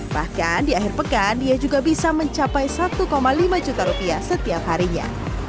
bahkan di akhir pekan dia juga bisa mencapai satu lima juta rupiah setiap harinya